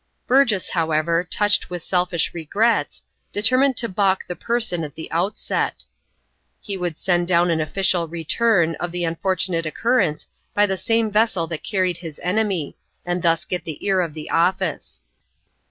Burgess, however, touched with selfish regrets, determined to baulk the parson at the outset. He would send down an official "return" of the unfortunate occurrence by the same vessel that carried his enemy, and thus get the ear of the Office.